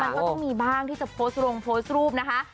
มันก็ต้องมีบ้างที่จะโพสต์ลงโพสต์รูปนะคะ